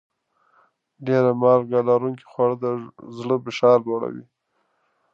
ډېر مالګه لرونکي خواړه د زړه فشار لوړوي.